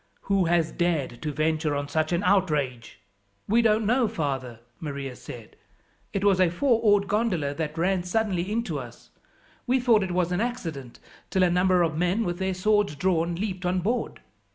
"Who has dared to venture on such an outrage?" "We don't know, father," Maria said. "It was a four oared gondola that ran suddenly into us. We thought it was an accident till a number of men, with their swords drawn, leaped on board.